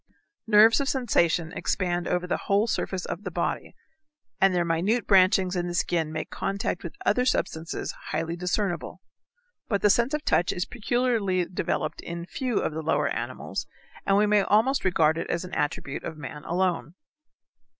Nerves of sensation expand over the whole surface of the body, and their minute branchings in the skin make contact with other substances highly discernible. But the sense of touch is peculiarly developed in few of the lower animals, and we may almost regard it as an attribute of man alone.